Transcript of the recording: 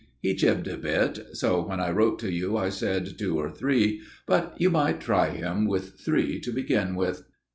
He jibbed a bit so when I wrote to you I said two or three. But you might try him with three to begin with."